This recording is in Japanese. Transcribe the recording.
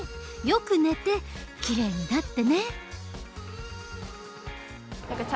よく寝てきれいになってね。